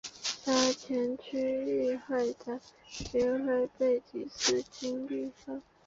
沙田区议会的会徽背景是青绿色。